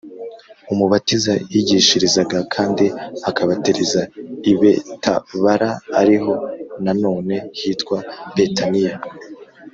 Umubatiza yigishirizaga kandi akabatiriza i Betabara (ariho na none hitwa Betaniya)